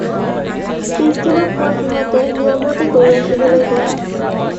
পিছদিনা পুৱা সিহঁতে নিয়মমতে গৰু ৰাখিবলৈ গ'ল।